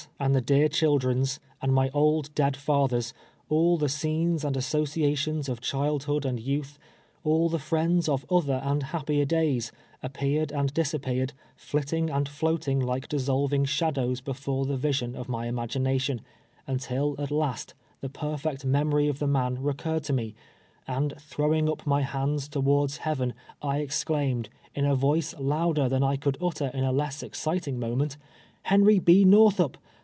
and the tlcar cliiUlrcuV, and my old dead father "s ; all the scenes and associations of childliDod and youth ; all the friends of other and happier days, a})}>earOd and disa])})eared, Hitting and lloating like dissolving shadows before the vision of my imagination, nntil at last the perfect memory of the man recurred to me, and throwing up my hands towards Heaven, I ex claimed, in a voice louder than I could utter in a less exciting moment —" ILnrij B. North up